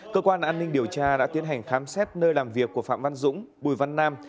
cơ quan an ninh điều tra đã tiến hành khám xét nơi làm việc của phạm văn dũng bùi văn nam